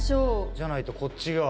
じゃないとこっちが。